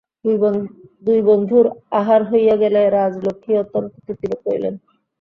দুই বন্ধুর আহার হইয়া গেলে, রাজলক্ষ্মী অত্যন্ত তৃপ্তিবোধ করিলেন।